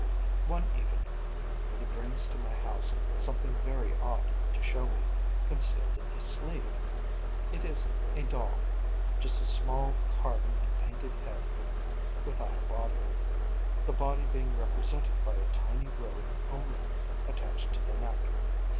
One evening he brings to my house something very odd to show me, concealed in his sleeve. It is a doll: just a small carven and painted head without a body, the body being represented by a tiny robe only, attached to the neck.